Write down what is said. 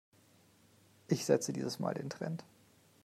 Ich setze dieses Mal den Trend.